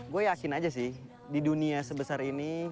gue yakin aja sih di dunia sebesar ini